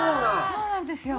そうなんですよ。